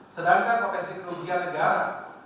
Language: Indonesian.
sedangkan potensi kerugian negara